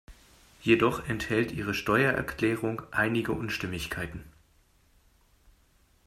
Jedoch enthält Ihre Steuererklärung einige Unstimmigkeiten.